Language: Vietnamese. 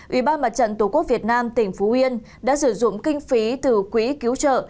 ubnd tq việt nam tỉnh phú yên đã sử dụng kinh phí từ quỹ cứu trợ